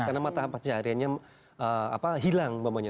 karena mata cariannya hilang umpamanya